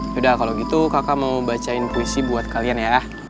sudah kalau gitu kakak mau bacain puisi buat kalian ya